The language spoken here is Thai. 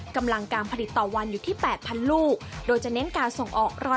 กำลังการผลิตต่อวันอยู่ที่๘๐๐ลูกโดยจะเน้นการส่งออก๑๐